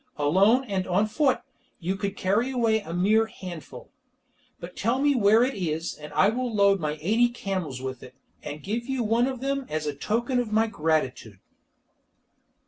Alone and on foot, you could carry away a mere handful. But tell me where it is, and I will load my eighty camels with it, and give you one of them as a token of my gratitude."